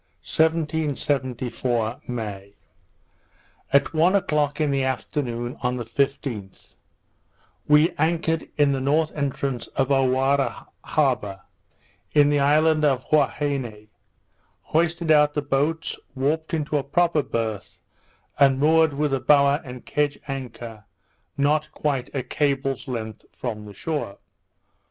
_ 1774 May At one o'clock in the afternoon, on the 15th, we anchored in the north entrance of O'Wharre harbour, in the island of Huaheine; hoisted out the boats, warped into a proper birth, and moored with the bower and kedge anchor, not quite a cable's length from the shore.